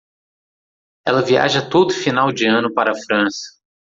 Ela viaja todo final de ano para a França.